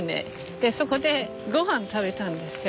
でそこでごはん食べたんですよ。